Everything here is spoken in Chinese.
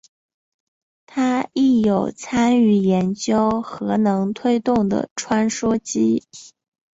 他亦有参与研究核能推动的穿梭机。